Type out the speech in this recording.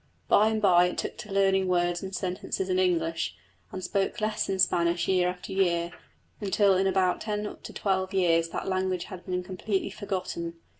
By and by it took to learning words and sentences in English, and spoke less in Spanish year after year until in about ten to twelve years that language had been completely forgotten.